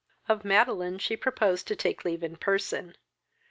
Of Madeline she proposed taking leave in person.